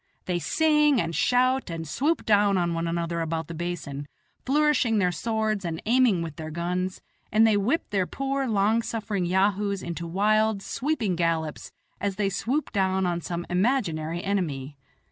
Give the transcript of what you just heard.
They sing and shout and swoop down on one another about the basin, flourishing their swords and aiming with their guns, and they whip their poor, long suffering yahoos into wild, sweeping gallops as they swoop down on some imaginary enemy.